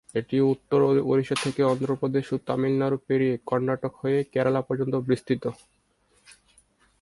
এটি উত্তর ওড়িশা থেকে অন্ধ্রপ্রদেশ ও তামিলনাড়ু পেরিয়ে কর্ণাটক হয়ে কেরালা পর্যন্ত বিস্তৃত।